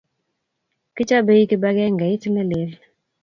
kichobei kibagengeit ne leel